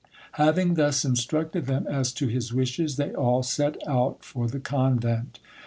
Having thus instructed them as to his wishes, they all set out for the convent.